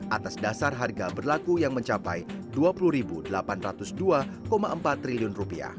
atas dasar harga berlaku yang mencapai rp dua puluh delapan ratus dua empat triliun